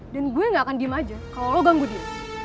dan gue gak akan diem aja kalo lo ganggu dia